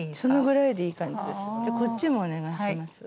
じゃあこっちもお願いします。